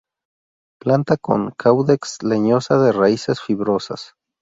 Planta con caudex, leñosa, de raíces fibrosas.